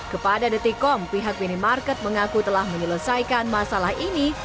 kepada detikom pihak minimarket mengaku telah menyelesaikan masalah ini